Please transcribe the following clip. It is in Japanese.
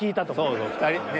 そうそう２人のね。